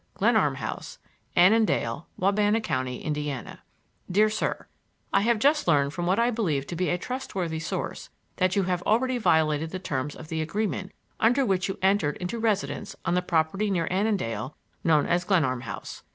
Glenarm House, Annandale, Wabana Co., Indiana: DEAR SIR—I have just learned from what I believe to be a trustworthy source that you have already violated the terms of the agreement under which you entered into residence on the property near Annandale, known as Glenarm House.